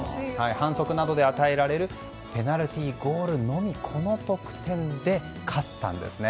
反則などで与えられるペナルティーゴールのみこの得点で勝ったんですね。